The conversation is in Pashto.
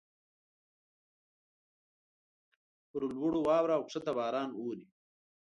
پر لوړو واوره اوکښته باران اوري.